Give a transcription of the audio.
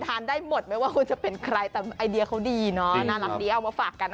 แต่คุณเป็นคนเดียว